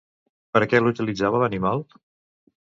Per a què l'utilitzava l'animal?